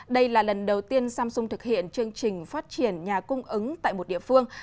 đây là lần đầu tiên samsung thực hiện chương trình phát triển nhà cung ứng tại một địa phương